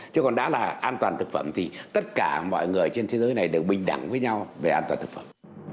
chứ còn đá là an toàn thực phẩm thì tất cả mọi người trên thế giới này đều bình đẳng với nhau về an toàn thực phẩm